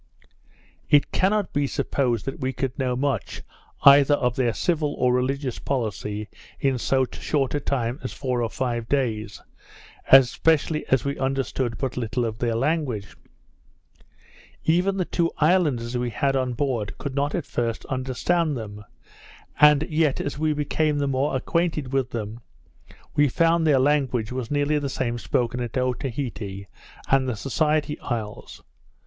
It cannot be supposed that we could know much, either of their civil or religious policy, in so short a time as four or five days, especially as we understood but little of their language: Even the two islanders we had on board could not at first understand them, and yet as we became the more acquainted with them, we found their language was nearly the same spoken at Otaheite and the Society Isles.